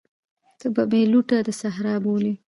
ته به مي لوټه د صحرا بولې